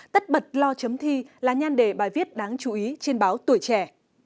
tất bật lo chấm thi là nhan đề bài viết đáng chú ý trên báo tuổi trẻ